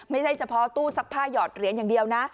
ไม่ใช่เฉพาะตู้ซักผ้าหยอดเหรียญอย่างเดียวนะ